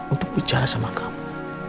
untuk bicara sama kamu